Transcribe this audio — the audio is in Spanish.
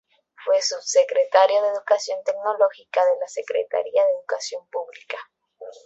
Fue subsecretario de Educación Tecnológica de la Secretaría de Educación Pública.